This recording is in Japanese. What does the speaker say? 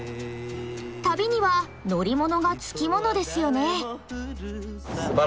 旅には乗り物がつきものですよね。